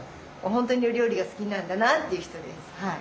本当にお料理が好きなんだなっていう人ですはい。